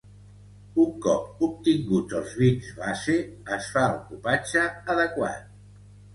Un cop obtinguts els vins base es fa el cupatge adequat.